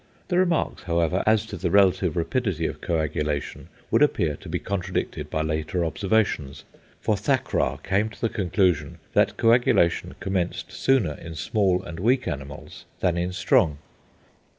The remarks, however, as to the relative rapidity of coagulation would appear to be contradicted by later observations, for Thackrah came to the conclusion that coagulation commenced sooner in small and weak animals than in strong.